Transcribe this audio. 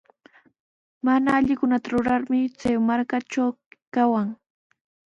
Mana allikunata rurarmi chay markatraw kawan.